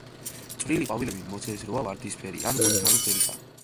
წვრილი ყვავილები მოთეთროა, ვარდისფერი ან მოწითალო ფერისაა.